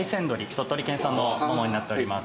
鳥取県産のももになっております。